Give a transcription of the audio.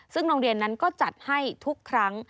ซึ่งโรงเรียนนั้นก็จัดให้ทุกครั้ง